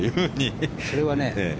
それはね